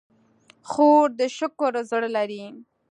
خور د شکر زړه لري.